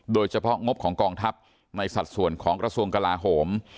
โดยเฉพาะงบของกองทัพในสัดส่วนของกระทรวงกลาโหม